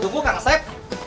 tunggu kang set